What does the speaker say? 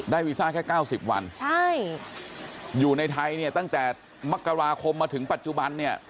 วีซ่าแค่๙๐วันใช่อยู่ในไทยเนี่ยตั้งแต่มกราคมมาถึงปัจจุบันเนี่ย